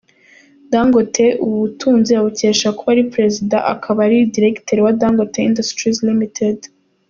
Dangote ubu butunzi abukesha kuba ari Perezida akaba na diregiteri wa Dangote industries Limited.